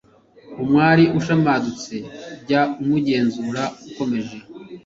umwari ushamadutse, jya umugenzura ukomeje